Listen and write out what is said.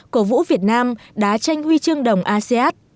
cổ vũ việt nam đá tranh huy chương đồng asean